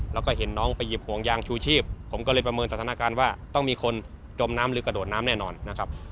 แล้วก็เห็นน้องไปหยิบห่วงยางชูชีพผมก็เลยประเมินสถานการณ์ว่าต้องมีคนจมน้ำหรือกระโดดน้ำแน่นอนนะครับ